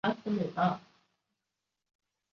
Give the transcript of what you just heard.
液态主要有硅酸盐等物质。